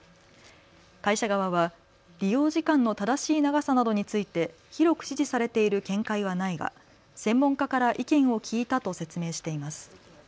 会社側は利用時間の正しい長さなどについて広く支持されている見解はないが専門家から意見を聞いたと説明しています。